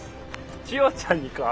チヨちゃんにか？